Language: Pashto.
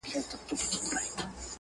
• د څو شېبو بیداري او هوښیاري ده -